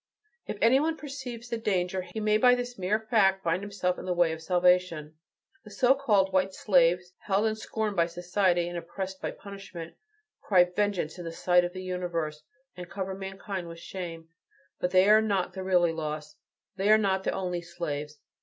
If any one perceives the danger, he may by this mere fact find himself in the way of salvation. The so called white slaves, held in scorn by society and oppressed by punishment, cry vengeance in the sight of the universe, and cover mankind with shame; but they are not the really lost they are not the only slaves.